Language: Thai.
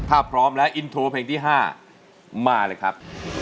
ถ้าพร้อมแล้วอินโทรเพลงที่๕มาเลยครับ